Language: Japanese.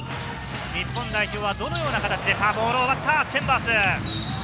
日本代表はどのような形で、ボールを奪ったチェンバース。